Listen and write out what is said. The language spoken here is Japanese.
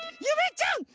ゆめちゃん！